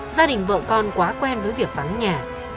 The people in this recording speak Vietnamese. gia đình vợ con quá quen với việc vắng nhà